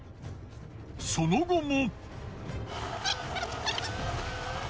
その後も。